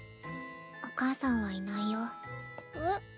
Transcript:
お母さんはいないよえっ？